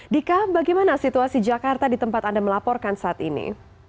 dika bagaimana situasi jakarta di tempat anda melaporkan saat ini